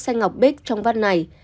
xanh ngọc bếch trong vắt này